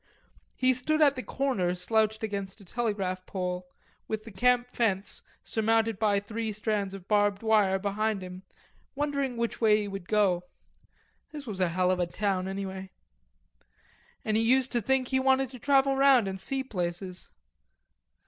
He stood at the corner slouched against a telegraph pole, with the camp fence, surmounted by three strands of barbed wire, behind him, wondering which way he would go. This was a hell of a town anyway. And he used to think he wanted to travel round and see places.